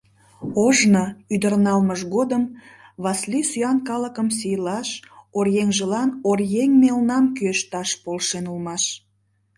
Ожно, ӱдыр налмыж годым, Васлий сӱан калыкым сийлаш оръеҥжылан «оръеҥ мелнам» кӱэшташ полшен улмаш.